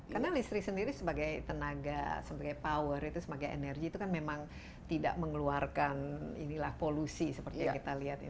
karena listrik sendiri sebagai tenaga sebagai power itu sebagai energi itu kan memang tidak mengeluarkan polusi seperti yang kita lihat